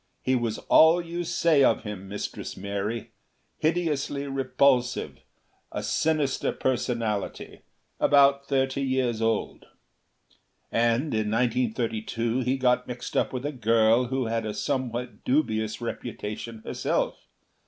He was all you say of him, Mistress Mary. Hideously repulsive. A sinister personality. About thirty years old. "And, in 1932, he got mixed up with a girl who had a somewhat dubious reputation herself.